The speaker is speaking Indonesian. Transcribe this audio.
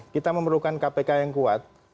kita memerlukan kpk yang kuat